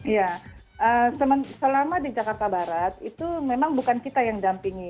ya selama di jakarta barat itu memang bukan kita yang dampingi